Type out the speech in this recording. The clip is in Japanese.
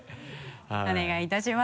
お願いいたします。